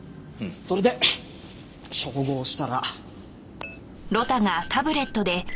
それで照合したら。